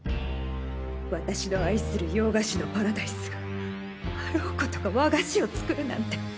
私の愛する「洋菓子のパラダイス」があろうことか和菓子を作るなんて。